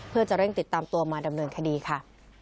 เพื่อจะเร่งติดตามตัวมาดำเนินคดีค่ะ